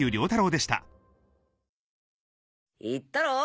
言ったろ？